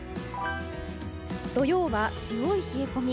土曜は強い冷え込み。